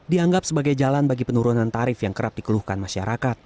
dianggap sebagai jalan bagi penurunan tarif yang kerap dikeluhkan masyarakat